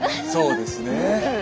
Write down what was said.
そうですねえ。